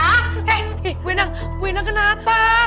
eh buendang buendang kenapa